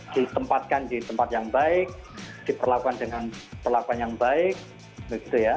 ditempatkan di tempat yang baik diperlakukan dengan perlakuan yang baik begitu ya